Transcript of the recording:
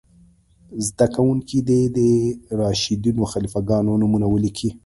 زده کوونکي دې د راشدینو خلیفه ګانو نومونه ولیکئ.